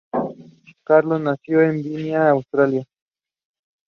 It also had no lapels.